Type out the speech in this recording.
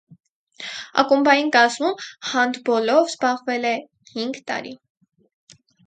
Ակումբային կազմում հանդբոլով զբաղվել է հինգ տարի։